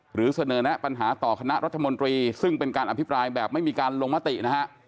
หรือเสนอแนะปัญหาต่อคณะรัฐมนตรีซึ่งเป็นการอภิปรายแบบไม่มีการลงมตินะฮะ